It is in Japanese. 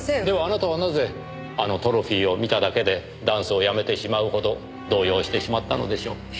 ではあなたはなぜあのトロフィーを見ただけでダンスをやめてしまうほど動揺してしまったのでしょう？